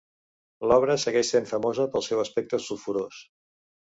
L'obra segueix sent famosa pel seu aspecte sulfurós.